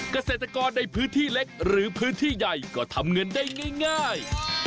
เกษตรกรในพื้นที่เล็กหรือพื้นที่ใหญ่ก็ทำเงินได้ง่าย